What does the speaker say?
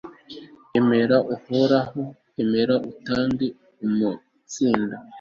emera, uhoraho, emera utange umutsindo